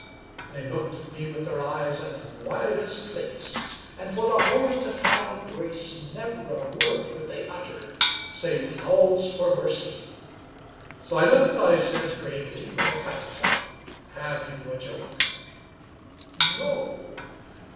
They looked at me with their eyes as wide as plates, and for the whole of the time of grace never a word could they utter save howls for mercy. "Simon," I said gravely, when the time was up, " have you a joke? No.